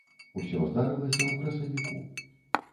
Усё здарылася ў красавіку.